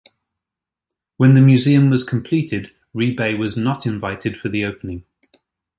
When the museum was completed, Rebay was not invited for the opening.